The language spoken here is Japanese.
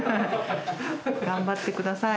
頑張ってください。